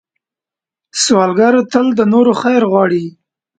سوالګر تل د نورو خیر غواړي